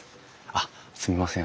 あっすみません